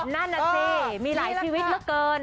นั่นน่ะสิมีหลายชีวิตเหลือเกิน